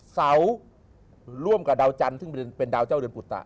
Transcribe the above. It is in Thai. เสาร่วมกับดาวจันทร์ซึ่งเป็นดาวเจ้าเรือนปุตตะ